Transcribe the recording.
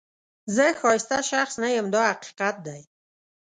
زه ښایسته شخص نه یم دا حقیقت دی.